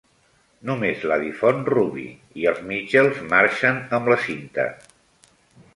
Només la difon Ruby, i els Mitchells marxen amb la cinta.